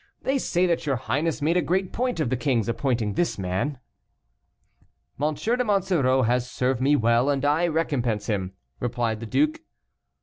They say that your highness made a great point of the king's appointing this man." "M. de Monsoreau has served me well, and I recompense him," replied the duke.